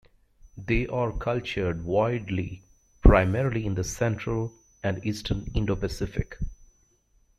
They are cultured widely primarily in the central and eastern Indo-Pacific.